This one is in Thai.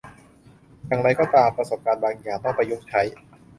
อย่างไรก็ตาม ประสบการณ์บางอย่างต้องประยุกต์ใช้